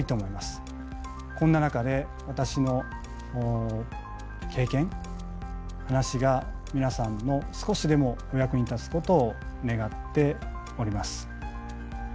こんな中で私の経験話が皆さんの少しでもお役に立つことを願っております。